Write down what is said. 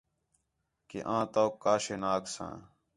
کہ آں تَؤک کا شے نہ آکھساں